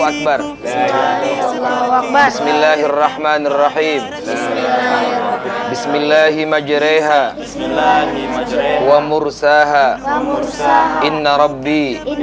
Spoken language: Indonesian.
bismillahirrohmanirrohim bismillahirrohmanirrohim bismillahirrohim ajareha wa mursaha inna rabbi